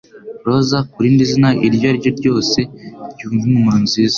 Roza ku rindi zina iryo ari ryo ryose ryumva impumuro nziza